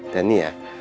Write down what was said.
dan nih ya